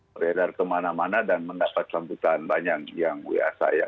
beredar kemana mana dan mendapat keuntungan banyak yang gue asal ya